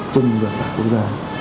chung với cả quốc gia